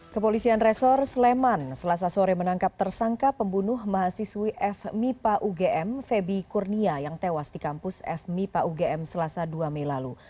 kepolisian resor sleman selasa sore menangkap tersangka pembunuh mahasiswi f mipa ugm feby kurnia yang tewas di kampus f mipa ugm selasa dua mei lalu